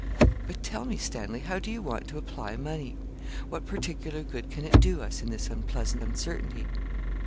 'But tell me, Stanley, how do you want to apply money? What particular good can it do us in this unpleasant uncertainty?'